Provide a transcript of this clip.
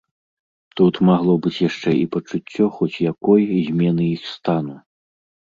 Тут магло быць яшчэ і пачуццё хоць якой змены іх стану.